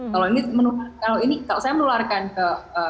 kalau ini kalau saya menularkan ke